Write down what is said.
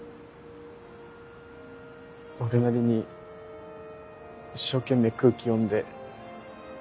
俺なりに一生懸命空気読んで。